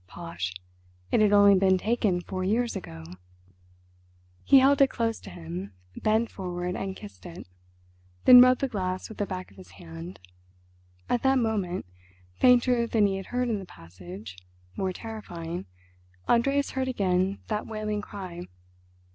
Posh! it had only been taken four years ago. He held it close to him, bent forward and kissed it. Then rubbed the glass with the back of his hand. At that moment, fainter than he had heard in the passage, more terrifying, Andreas heard again that wailing cry.